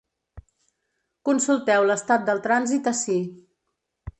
Consulteu l’estat del trànsit ací.